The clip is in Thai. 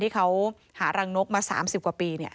ที่เขาหารังนกมา๓๐กว่าปี